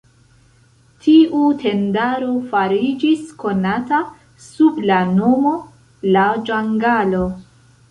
Tiu tendaro fariĝis konata sub la nomo "La Ĝangalo".